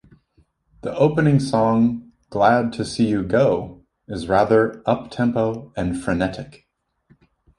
The opening song, "Glad to See You Go", is rather uptempo and frenetic.